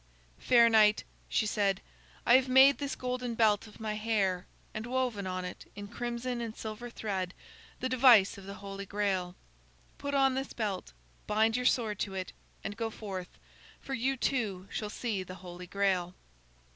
"Fair knight," she said, "I have made this golden belt of my hair, and woven on it, in crimson and silver thread, the device of the Holy Grail. Put on this belt, bind your sword to it, and go forth; for you, too, shall see the Holy Grail."